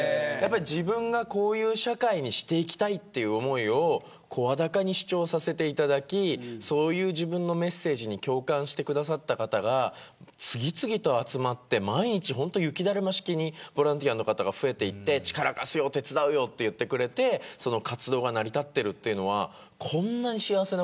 自分が、こういう社会にしていきたいという思いを声高に主張させていただきそういう自分のメッセージに共感してくださった方が次々と集まって毎日雪だるま式にボランティアの方が増えていって力貸すよ、手伝うよと言ってくれて活動が成り立っているというのはこんなに幸せなことはないし。